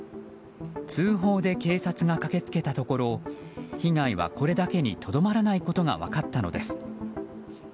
通報で警察が駆け付けたところ被害はこれだけにとどまらないことが分かったのです。